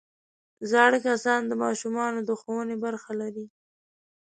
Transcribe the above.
زاړه کسان د ماشومانو د ښوونې برخه لري